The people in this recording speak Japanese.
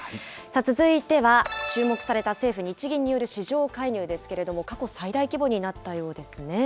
続いては、注目された政府・日銀による市場介入ですけれども、過去最大規模になったようですね。